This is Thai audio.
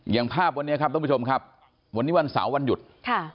อย่างภาพวันนี้ครับท่านผู้ชมครับวันนี้วันเสาร์วันหยุดค่ะ